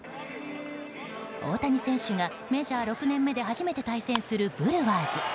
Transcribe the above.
大谷選手がメジャー６年目で初めて対戦するブルワーズ。